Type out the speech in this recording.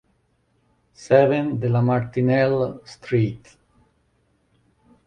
Seven de la Martinelle Street